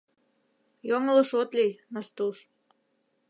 — Йоҥылыш от лий, Настуш!